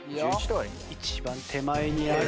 一番手前にある。